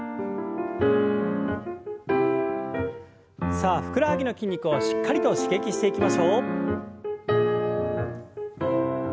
さあふくらはぎの筋肉をしっかりと刺激していきましょう。